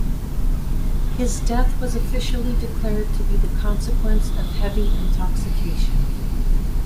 His death was officially declared to be the consequence of heavy intoxication.